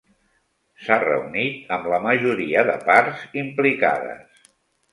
S'ha reunit amb la majoria de parts implicades.